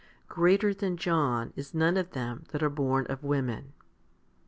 Greater than John is none of them that are born of women.